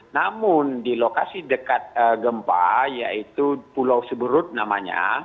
namun di lokasi dekat gempa yaitu pulau seberut namanya